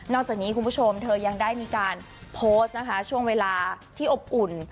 จากนี้คุณผู้ชมเธอยังได้มีการโพสต์นะคะช่วงเวลาที่อบอุ่น